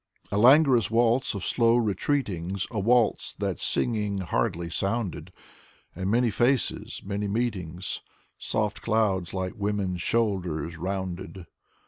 A languorous waltz of slow retreatings, A waltz that singing hardly sounded; And many faces, many meetings, Soft clouds like women's shoulders rounded.